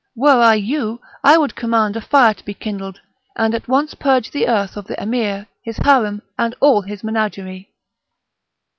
Were I you, I would command a fire to be kindled, and at once purge the earth of the Emir, his harem, and all his menagerie."